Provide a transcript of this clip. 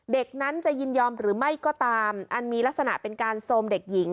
เด็กนั้นจะยินยอมหรือไม่ก็ตามอันมีลักษณะเป็นการโทรมเด็กหญิง